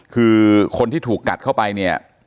คือคนที่ถูกกัดเข้าไปเนี่ย